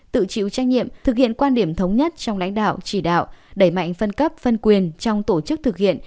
tự chịu trách nhiệm thực hiện quan điểm thống nhất trong lãnh đạo chỉ đạo đẩy mạnh phân cấp phân quyền trong tổ chức thực hiện